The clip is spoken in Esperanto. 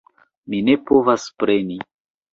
Mi ne povas preni!